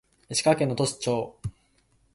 石川県能登町